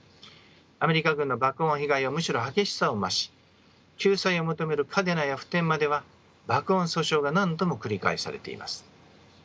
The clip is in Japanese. アメリカ軍の爆音被害はむしろ激しさを増し救済を求める嘉手納や普天間では爆音訴訟が何度も繰り返されています。